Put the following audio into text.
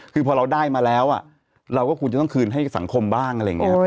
คือพอเราได้มาแล้วเราก็คงจะต้องคืนให้สังคมบ้าง